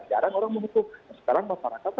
jarang orang memutuskan sekarang masyarakat